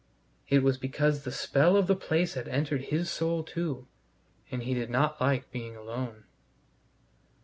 It was because the spell of the place had entered his soul too, and he did not like being alone.